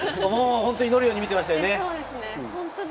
祈るように見てましたよね。